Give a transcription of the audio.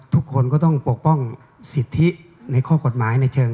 ทุกคนก็ต้องปกป้องสิทธิในข้อกฎหมายในเชิง